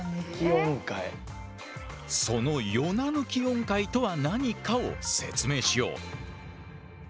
そのヨナ抜き音階とは何かを説明しよう。